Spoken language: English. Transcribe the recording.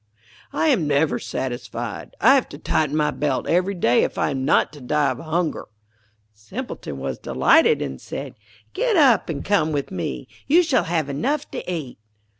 I am never satisfied. I have to tighten my belt every day if I am not to die of hunger.' Simpleton was delighted, and said: 'Get up and come with me. You shall have enough to eat.'